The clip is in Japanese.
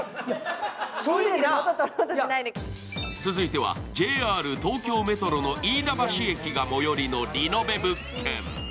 続いてはＪＲ東京メトロの飯田橋駅が最寄りのリノベ物件。